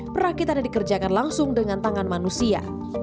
perakitan yang dikerjakan langsung dengan tangan manusia